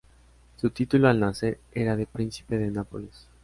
Su título al nacer era de Príncipe de Nápoles.